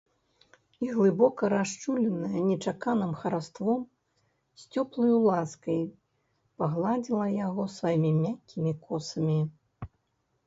І, глыбока расчуленае нечаканым хараством, з цёплаю ласкай пагладзіла яго сваімі мяккімі косамі.